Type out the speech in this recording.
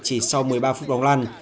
chỉ sau một mươi ba phút bóng lăn